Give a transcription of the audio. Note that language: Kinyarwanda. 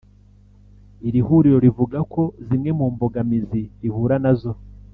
Iri huriro rivugako zimwe mu mbogamizi rihura nazo